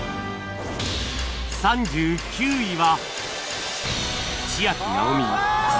３９位は